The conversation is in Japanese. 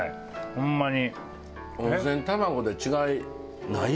ホンマに。